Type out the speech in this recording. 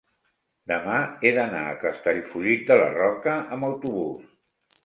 demà he d'anar a Castellfollit de la Roca amb autobús.